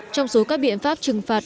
trong số các biện pháp trừng phạt